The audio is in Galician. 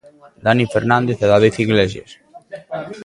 Dani Fernández e David Iglesias.